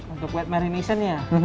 untuk wet marination nya